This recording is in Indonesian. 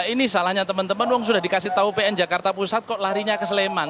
jadi salahnya teman teman wong sudah dikasih tahu pn jakarta pusat kok larinya ke sleman